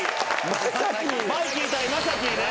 マイキー対マサキーね。